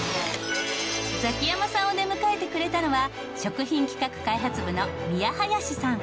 ザキヤマさんを出迎えてくれたのは食品企画開発部の宮林さん。